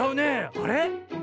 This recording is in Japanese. あれ？